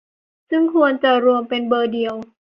ซึ่งควรจะรวมเป็นเบอร์เดียว